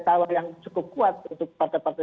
tawar yang cukup kuat untuk partai partai